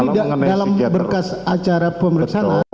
dalam berkas acara pemeriksaan